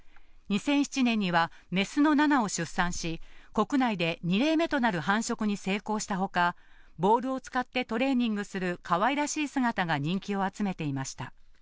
２００７年には雌のナナを出産し、国内で２例目となる繁殖に成功したほか、ボールを使ってトレーニングするかわいらしい姿が人気を集めていました。